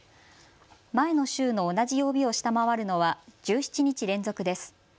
前の週の同じ曜日を下回るのは１７日連続です。